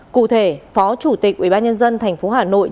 cụ thể phó chủ tịch ubnd tp hà nội